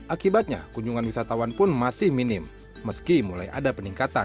akibatnya kunjungan wisatawan pun masih minim meski mulai ada peningkatan